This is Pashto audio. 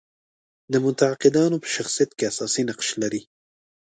د معتقدانو په شخصیت کې اساسي نقش لري.